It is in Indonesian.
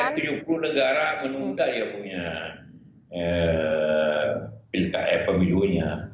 ini karena tujuh puluh negara menunda ya punya pki pemilunya